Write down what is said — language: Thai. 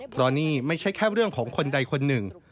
เพราะนี่ไม่ใช่แค่เรื่องของคนใดคนหนึ่ง